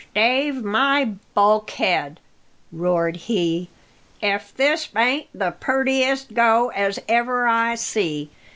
"Stave my bulkhead!" roared he, "if this bain't the purtiest go as ever I see.